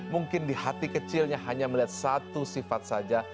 mungkin di hati kecilnya hanya melihat satu sifat saja